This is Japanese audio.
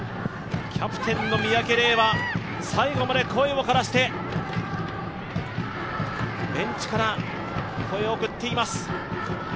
キャプテンの三宅怜は最後まで声をからしてベンチから声を送っています。